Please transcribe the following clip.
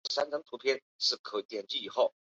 白刺科是无患子目之下一个被子植物的科。